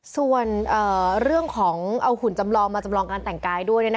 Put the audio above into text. ส่วนเรื่องของเอาหุ่นจำลองมาจำลองการแต่งกายด้วย